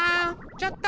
ちょっと！